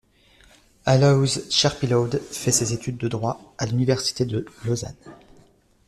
Aloys Cherpillod fait ses études de droit à l'Université de Lausanne.